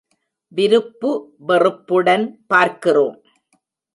விருப்பு வெறுப்புடன் பார்க்கிறோம்.